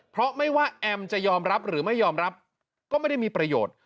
เพราะไม่ว่าแอมจะยอมรับหรือไม่ยอมรับก็ไม่ได้มีประโยชน์